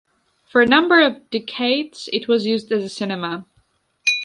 For a number of decades, it was used as a cinema.